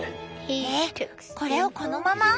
えっこれをこのまま？